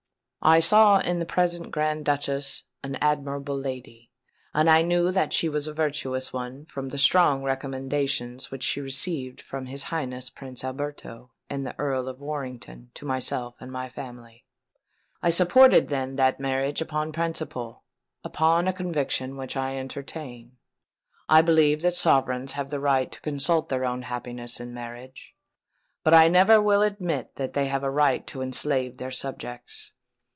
I saw in the present Grand Duchess an amiable lady; and I knew that she was a virtuous one from the strong recommendations which she received from his Highness Prince Alberto and the Earl of Warrington to myself and my family. I supported, then, that marriage upon principle—upon a conviction which I entertain. I believe that sovereigns have a right to consult their own happiness in marriage; but I never will admit that they have a right to enslave their subjects.